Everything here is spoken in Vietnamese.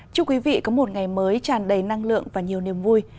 chúc quý vị có một ngày mới tràn đầy năng lượng và nhiều niềm vui